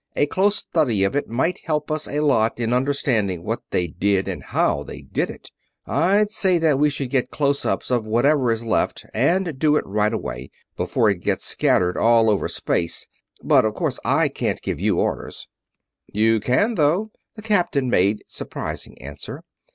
A close study of it might help us a lot in understanding what they did and how they did it. I'd say that we should get close ups of whatever is left, and do it right away, before it gets scattered all over space; but of course I can't give you orders." "You can, though," the captain made surprising answer.